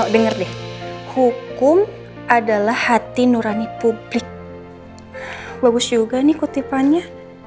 dengar deh hukum adalah hati nurani publik bagus juga nih kutipannya